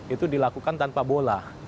itu dilakukan tanpa bola